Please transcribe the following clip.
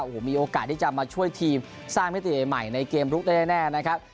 โอ้โหมีโอกาสที่จะมาช่วยทีมสร้างมิติใหม่ในเกมลุกได้แน่นะครับ